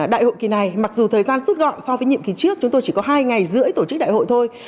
đại hội kỳ này mặc dù thời gian rút gọn so với nhiệm kỳ trước chúng tôi chỉ có hai ngày rưỡi tổ chức đại hội thôi